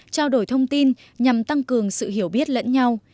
trao đổi thông tin nhằm tăng cường sự hiểu biết lẫn nhau